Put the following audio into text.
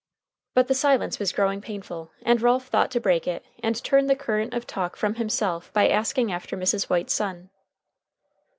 But the silence was growing painful and Ralph thought to break it and turn the current of talk from himself by asking after Mrs. White's son.